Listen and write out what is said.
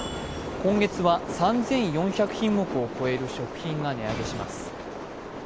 今月は３４００品目を超える食品が値上げします。